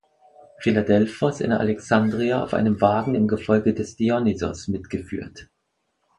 Philadelphos in Alexandria auf einem Wagen im Gefolge des Dionysos mitgeführt.